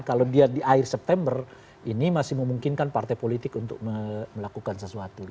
kalau dia di akhir september ini masih memungkinkan partai politik untuk melakukan sesuatu